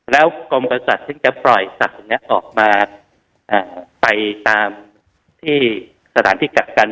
แล้วกรมประสุทธิศัตริย์จะปล่อยสัตว์นี้ออกมาไปตามที่สถานที่กัดกัน